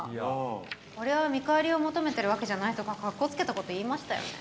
俺は見返りを求めているわけじゃないとか、かっこつけたこと言いましたよね。